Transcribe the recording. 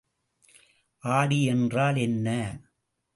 ஆடி என்றால் என்ன?